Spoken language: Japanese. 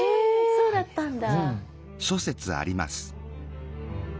そうだったんだ。